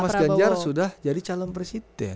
mas ganjar sudah jadi calon presiden